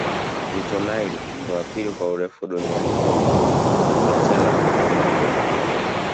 Mto nile ni wa pili kwa urefu duniani ukiachana na mto amazon